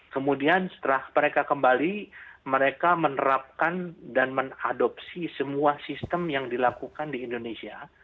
kemudian setelah mereka kembali mereka menerapkan dan mengadopsi semua sistem yang dilakukan di indonesia